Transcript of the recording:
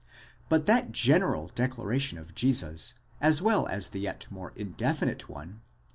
But that general declaration of Jesus, as well as the yet more indefinite one (v.